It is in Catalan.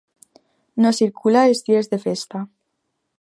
No circula els dies de festa.